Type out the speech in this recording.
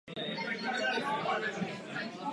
Co se jaderné energie týče, nulové riziko neexistuje.